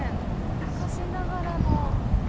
昔ながらの。